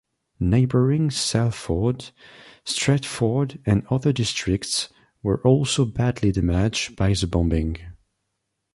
Neighbouring Salford, Stretford and other districts were also badly damaged by the bombing.